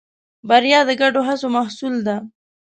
بریا د ګډو هڅو محصول ده.